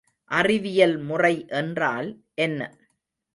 அறிவியல் முறை என்றால் என்ன?